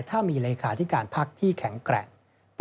ถ้ามีเลขาธิการพักที่แข็งแกร่ง